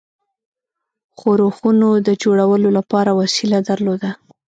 ښورښونو د جوړولو لپاره وسیله درلوده.